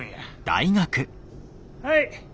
はい。